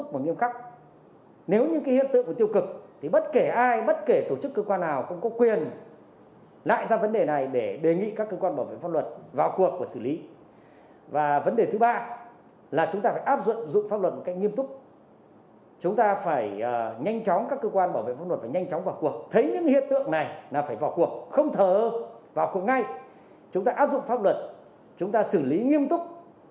vấn đề thứ ba là chúng ta phải áp dụng pháp luật một cách nghiêm túc để hướng tới những cái mục tiêu cực để hướng tới những cái mục tiêu cực để hướng tới những cái mục tiêu cực